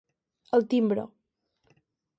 El timbre.